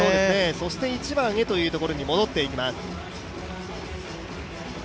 そして１番へというところへ戻っていきます。